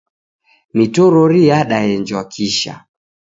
Mitororo yadaenjwa kisha